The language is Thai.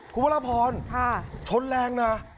คุณพระราพรชนแรงนะ